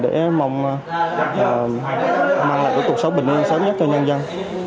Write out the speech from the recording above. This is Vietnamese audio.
để mong mang lại cuộc sống bình yên sớm nhất cho nhân dân